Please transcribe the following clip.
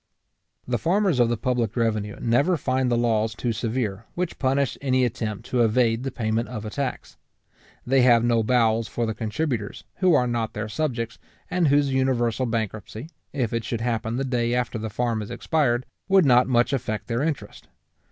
The farmers of the public revenue never find the laws too severe, which punish any attempt to evade the payment of a tax. They have no bowels for the contributors, who are not their subjects, and whose universal bankruptcy, if it should happen the day after the farm is expired, would not much affect their interest.